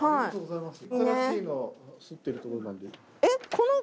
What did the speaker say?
えっ？